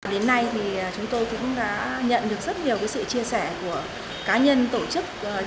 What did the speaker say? đến nay thì chúng tôi cũng đã nhận được rất nhiều sự chia sẻ của cá nhân tổ chức